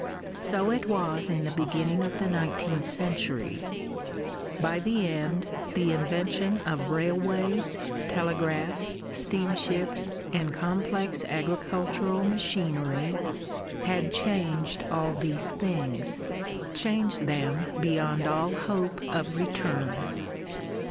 So it was in the beginning of the nineteenth century. By the end, the invention of railways, telegraphs, steamships, and complex agricultural machinery, had changed all these things: changed them beyond all hope of return.